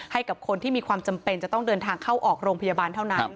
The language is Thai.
ให้กับคนที่มีความจำเป็นจะต้องเดินทางเข้าออกโรงพยาบาลเท่านั้น